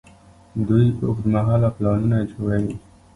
دوی اوږدمهاله پلانونه جوړوي.